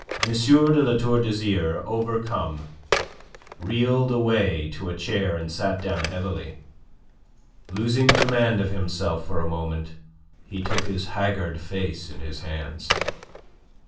de La Tour d'Azyr, overcome, reeled away to a chair and sat down heavily. Losing command of himself for a moment, he took his haggard face in his hands.